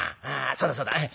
そうだそうだ。